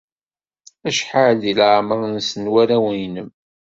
Acḥal deg leɛmeṛ-nsen warraw-nnem?